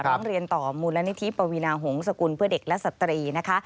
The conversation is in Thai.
ร้องเรียนต่อมูลนิธิปวีนาหงษกุลเพื่อเด็กและสตรีนะคะ